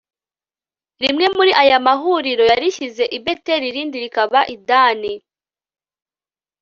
Rimwe muri aya mahuriro yarishyize i Beteli irindi rikaba i Dani